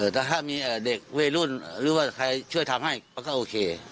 แต่ถ้ามีเด็กวัยรุ่นหรือว่าใครช่วยทำให้มันก็โอเค